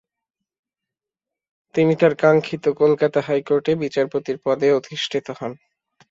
তিনি তার কাঙক্ষত কলকাতা হাই কোর্টে বিচারপতির পদে অধিষ্ঠিত হন।